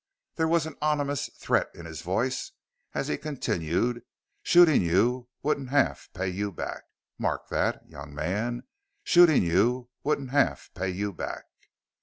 There was an ominous threat in his voice as he continued: "Shooting you wouldn't half pay you back. Mark that, young man shooting you wouldn't half pay you back."